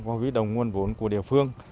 và viết đồng nguồn vốn của địa phương